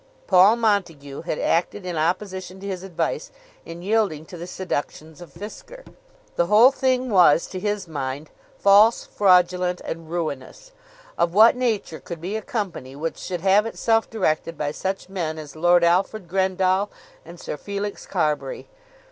Paul Montague had acted in opposition to his advice in yielding to the seductions of Fisker. The whole thing was to his mind false, fraudulent, and ruinous. Of what nature could be a Company which should have itself directed by such men as Lord Alfred Grendall and Sir Felix Carbury?